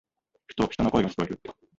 ふと、人の声が聞こえる。